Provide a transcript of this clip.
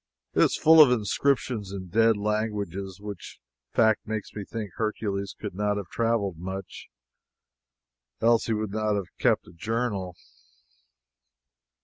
It is full of inscriptions in the dead languages, which fact makes me think Hercules could not have traveled much, else he would not have kept a journal.